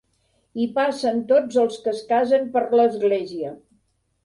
Hi passen tots els que es casen per l'església.